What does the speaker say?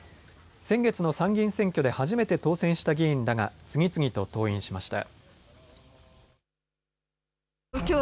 先月の参議院選挙で初めて当選した議員らが次々と登院しました。